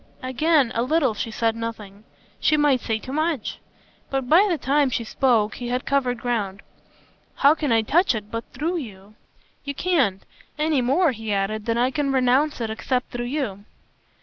Again a little she said nothing: she might say too much. But by the time she spoke he had covered ground. "How can I touch it but THROUGH you?" "You can't. Any more," he added, "than I can renounce it except through you."